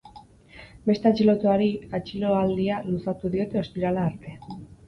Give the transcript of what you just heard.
Beste atxilotuari atxiloaldia luzatu diote ostirala arte.